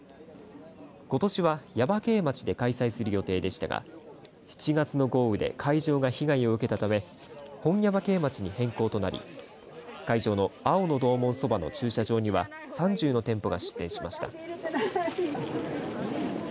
ことしは耶馬溪町で開催する予定でしたが７月の豪雨で会場が被害を受けたため本耶馬渓町に変更となり会場の青の洞門そばの駐車場には３０の店舗が出店しました。